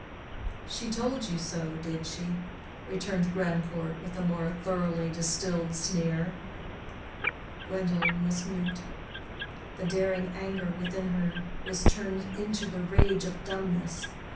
"She told you so—did she?" returned Grandcourt, with a more thoroughly distilled sneer. Gwendolen was mute. The daring anger within her was turned into the rage of dumbness.